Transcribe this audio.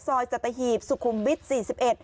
สัตหีบสุขุมวิทย์๔๑